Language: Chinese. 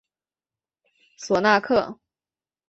索纳克。